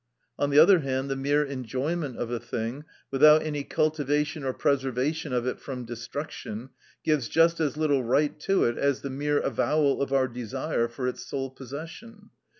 (74) On the other hand, the mere enjoyment of a thing, without any cultivation or preservation of it from destruction, gives just as little right to it as the mere avowal of our desire for its sole possession.